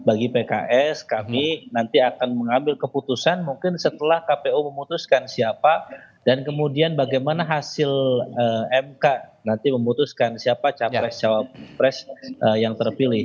bagi pks kami nanti akan mengambil keputusan mungkin setelah kpu memutuskan siapa dan kemudian bagaimana hasil mk nanti memutuskan siapa capres cawapres yang terpilih